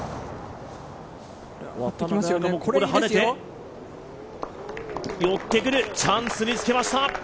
これがはねて、寄ってくるチャンスにつけました。